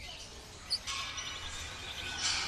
که ښوونه سمه وي، زده کړه اسانه کېږي.